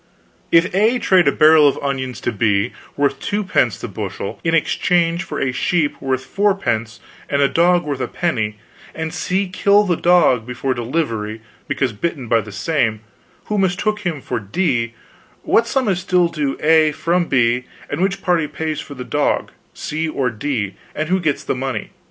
"If A trade a barrel of onions to B, worth 2 pence the bushel, in exchange for a sheep worth 4 pence and a dog worth a penny, and C kill the dog before delivery, because bitten by the same, who mistook him for D, what sum is still due to A from B, and which party pays for the dog, C or D, and who gets the money?